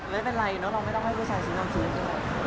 ไม่เป็นไรเนอะเราไม่ต้องให้ผู้ชายซื้อนำซื้อด้วย